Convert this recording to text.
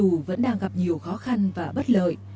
dù vẫn đang gặp nhiều khó khăn và bất lợi